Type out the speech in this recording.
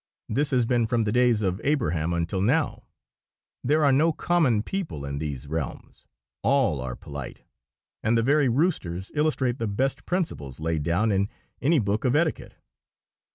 This has been from the days of Abraham until now. There are no common people in these realms. All are polite, and the very roosters illustrate the best principles laid down in any book of etiquette.